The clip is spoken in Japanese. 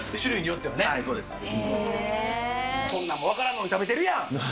そんなんも分からんで、食べてるやん。